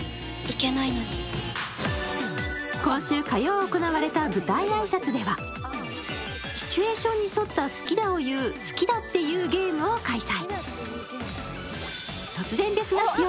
今週火曜行われた舞台挨拶では、シチュエーションに沿った「好きだ」を言う「好きだって言うゲーム」を開催。